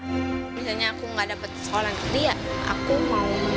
misalnya aku nggak dapat sekolah yang ketiga aku mau